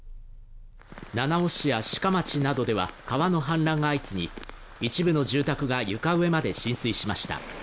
七尾市や志賀町などでは川の氾濫が相次ぎ、一部の住宅が床上まで浸水しました。